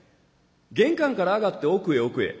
玄関から上がって奥へ奥へ。